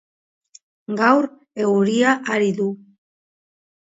Gaur euria ari du